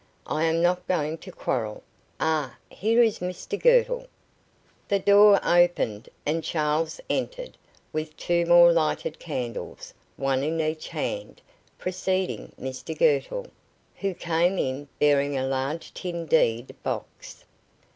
"I am not going to quarrel. Ah, here is Mr Girtle." The door opened, and Charles entered, with two more lighted candles, one in each hand, preceding Mr Girtle, who came in bearing a large tin deed box.